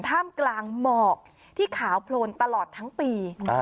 ท่ามกลางหมอกที่ขาวโพลนตลอดทั้งปี